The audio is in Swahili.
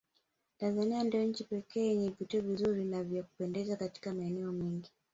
Tanzania ndio nchi pekee yenye vivutio vinzuri na vya kupendeza Katika maeneo mengi